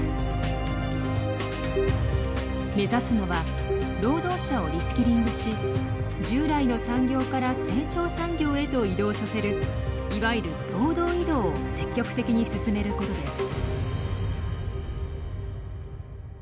目指すのは労働者をリスキリングし従来の産業から成長産業へと移動させるいわゆる労働移動を積極的に進めることです。